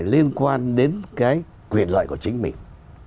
liên quan đến cái quyền loại của chính mình